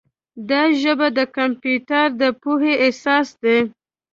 دا ژبه د کمپیوټر د پوهې اساس دی.